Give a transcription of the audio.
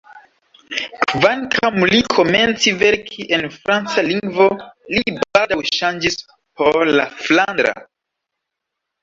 Kvankam li komenci verki en franca lingvo, li baldaŭ ŝanĝis por la flandra.